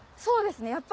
うですね。